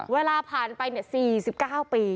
เวลาผ่านไปเกี่ยว๔๙ปี